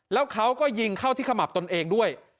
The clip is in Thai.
แล้วเขาก็ยิงเข้าที่ขมับตนเองด้วย